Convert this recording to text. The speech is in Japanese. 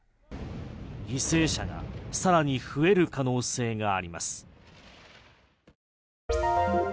犠牲者がさらに増える可能性があります。